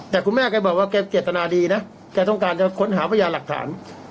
แต่คุณแม่แกบอกว่าแกเจตนาดีนะแกต้องการจะค้นหาพยาหลักฐาน